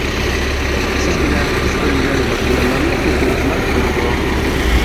سىز بىلەن بىز كۆرمىگەن ماتېرىياللارنى ئوقۇغۇچىلار كۆرىدۇ.